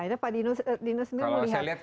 akhirnya pak dino sendiri melihat